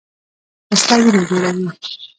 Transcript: پسته وینه جوړوي